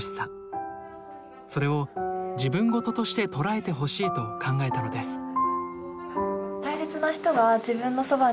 それを自分ごととして捉えてほしいと考えたのです。